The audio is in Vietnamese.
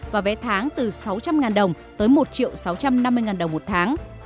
và vé tháng từ sáu trăm linh đồng tới một sáu trăm năm mươi đồng một tháng